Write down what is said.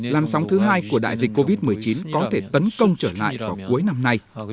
làn sóng thứ hai của đại dịch covid một mươi chín có thể tấn công trở lại vào cuối năm nay